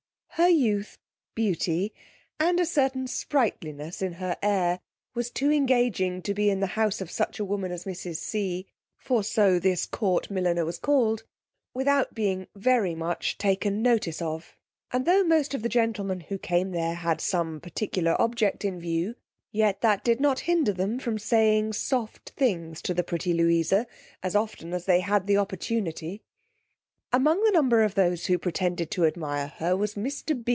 Her youth, beauty, and a certain sprightliness in her air, was too engaging to be in the house of such a woman as mrs. C ge, (for so this court milliner was called) without being very much taken notice of; and tho' most of the gentlemen who came there had some particular object in view, yet that did not hinder them from saying soft things to the pretty Louisa as often as they had opportunity. Among the number of those who pretended to admire her was mr.